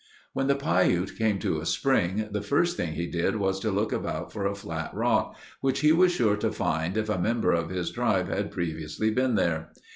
When the Piute came to a spring, the first thing he did was to look about for a flat rock which he was sure to find if a member of his tribe had previously been there.